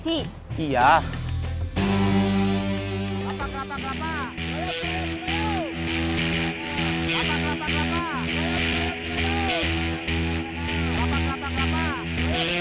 surayam surayam surayam